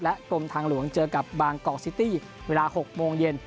กรมทางหลวงเจอกับบางกอกซิตี้เวลา๖โมงเย็น